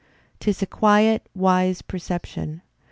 'Tis a quiet, wise perception.